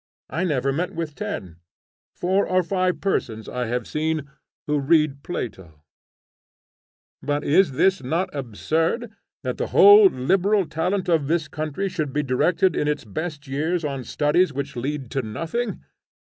I never met with ten. Four or five persons I have seen who read Plato. But is not this absurd, that the whole liberal talent of this country should be directed in its best years on studies which lead to nothing?